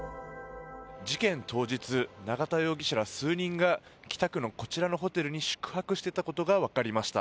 事件当日永田容疑者ら数人が北区のこちらのホテルに宿泊していたことがわかりました。